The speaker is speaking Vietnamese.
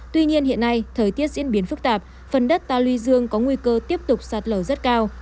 tuy nhiên hiện nay thời tiết diễn biến phức tạp phần đất ta luy dương có nguy cơ tiếp tục sạt lở rất cao